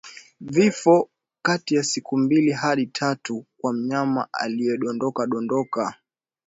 Vifo kati ya siku mbili hadi tatu kwa mnyama aliyedondokadondoka